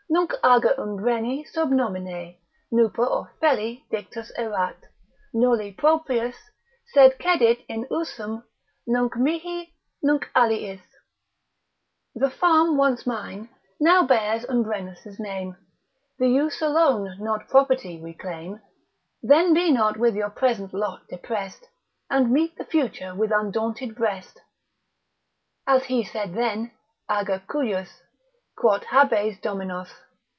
Nunc ager Umbreni sub nomine, nuper Ofelli Dictus erat, nulli proprius, sed cedit in usum Nunc mihi, nunc aliis;——— The farm, once mine, now bears Umbrenus' name; The use alone, not property, we claim; Then be not with your present lot depressed, And meet the future with undaunted breast; as he said then, ager cujus, quot habes Dominos?